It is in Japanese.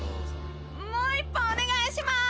もう一本お願いします！